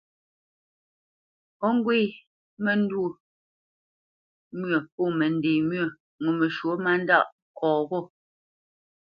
O ŋgwé məntwô myə pô mənde myə́ ŋo məshwɔ̂ má ndá nkɔ́ ghô.